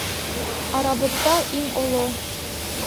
Арабыҙҙа иң оло...